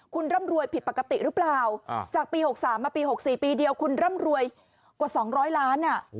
คุณร่ำรวยผิดปกติหรือเปล่า